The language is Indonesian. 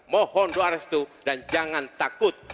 mohon doa restu dan jangan takut